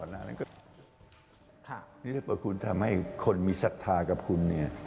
นี่คือคุณทำให้คนมีศรัทธากับคุณ